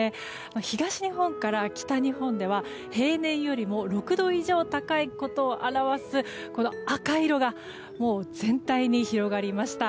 東日本から北日本では平年よりも６度以上高いことを表す赤色が全体に広がりました。